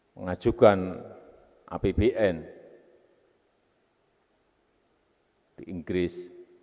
mengajukan apbn di inggris